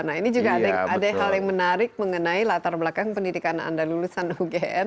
nah ini juga ada hal yang menarik mengenai latar belakang pendidikan anda lulusan ugm